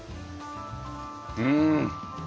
うん。